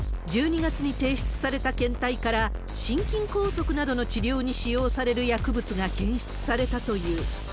１２月に提出された検体から、心筋梗塞などの治療に使用される薬物が検出されたという。